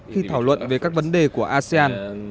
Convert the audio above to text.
khi thảo luận về các vấn đề của asean